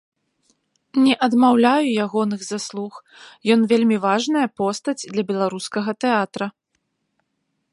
Не адмаўляю ягоных заслуг, ён вельмі важная постаць для беларускага тэатра.